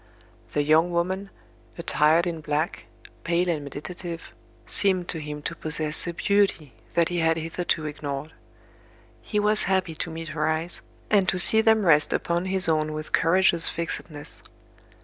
The young woman, attired in black, pale and meditative, seemed to him to possess a beauty that he had hitherto ignored. He was happy to meet her eyes, and to see them rest upon his own with courageous fixedness.